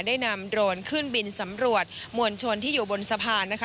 ได้นำโดรนขึ้นบินสำรวจมวลชนที่อยู่บนสะพานนะคะ